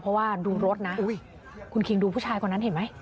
เพราะว่าดูรถนะคุณคิงดูผู้ชายคนนั้นเห็นไหม